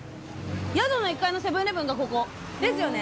宿の１階のセブンイレブンがここですよね？